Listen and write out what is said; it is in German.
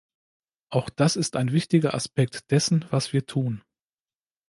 Auch das ist ein wichtiger Aspekt dessen, was wir tun.